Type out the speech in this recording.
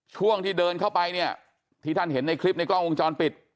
ช่วงที่เดินเข้าไปเนี่ยที่ท่านเห็นในคลิปในกล้องวงจรปิด